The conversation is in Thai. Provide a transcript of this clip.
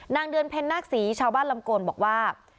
เดือนเพ็ญนาคศรีชาวบ้านลำโกนบอกว่า